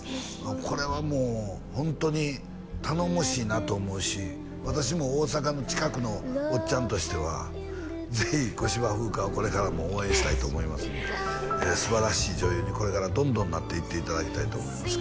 これはもうホントに頼もしいなと思うし私も大阪の近くのおっちゃんとしてはぜひ小芝風花をこれからも応援したいと思いますんですばらしい女優にこれからどんどんなっていっていただきたいと思います